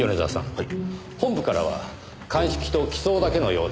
はい。